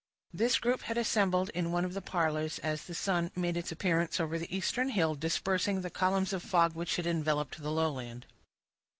This group had assembled in one of the parlors as the sun made its appearance over the eastern hill, dispersing the columns of fog which had enveloped the lowland.